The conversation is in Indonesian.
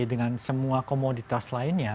dengan semua komoditas lainnya